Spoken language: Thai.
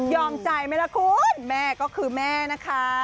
ใจไหมล่ะคุณแม่ก็คือแม่นะคะ